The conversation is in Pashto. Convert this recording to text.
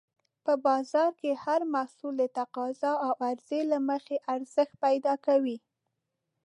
په بازار کې هر محصول د تقاضا او عرضې له مخې ارزښت پیدا کوي.